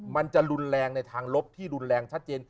มันจะรุนแรงในทางลบที่รุนแรงชัดเจน